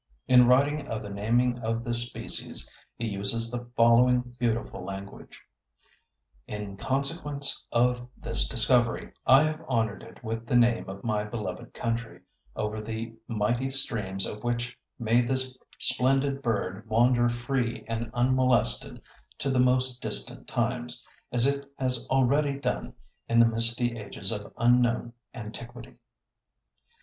In writing of the naming of this species he uses the following beautiful language: "In consequence of this discovery, I have honored it with the name of my beloved country, over the mighty streams of which may this splendid bird wander free and unmolested to the most distant times, as it has already done in the misty ages of unknown antiquity."